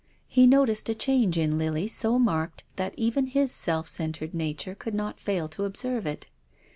He noticed a change in Lily so marked that even his self cen tred nature could not fail to observe it.